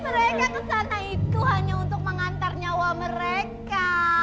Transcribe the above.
mereka kesana itu hanya untuk mengantar nyawa mereka